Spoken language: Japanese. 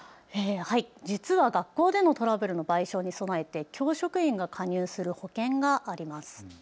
実は学校でのトラブルの賠償に備えて教職員が加入する保険があります。